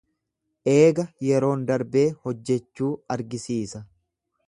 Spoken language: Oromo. Eega yeroon darbee hojjechuu argisiisa.